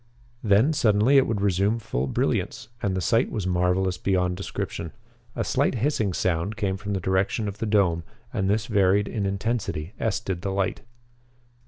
Then suddenly it would resume full brilliance, and the sight was marvelous beyond description. A slight hissing sound came from the direction of the dome, and this varied in intensity as did the light.